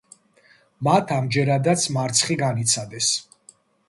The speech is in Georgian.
მათ ამჯერადაც მარცხი განიცადეს.